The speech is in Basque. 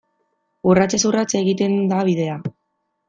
Urratsez urrats egiten da bidea.